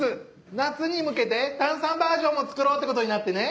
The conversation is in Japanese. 夏に向けて炭酸バージョンも作ろうってことになってね。